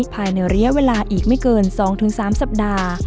ภายในระยะเวลาอีกไม่เกิน๒๓สัปดาห์